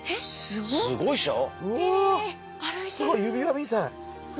すごい指輪みたい。